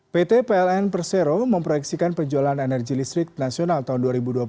pt pln persero memproyeksikan penjualan energi listrik nasional tahun dua ribu dua puluh satu